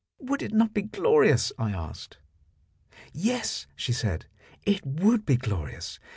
Would it not be glorious, I asked? Yes, she said, it would be glorious.